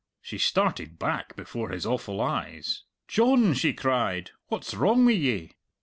She started back before his awful eyes. "John!" she cried, "what's wrong wi' ye?"